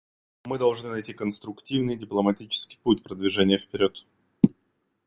Мы должны найти конструктивный, дипломатический путь продвижения вперед.